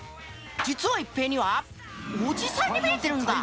実は一平にはおじさんに見えてるんだ。